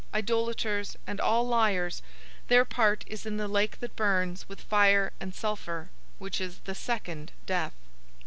} idolaters, and all liars, their part is in the lake that burns with fire and sulfur, which is the second death."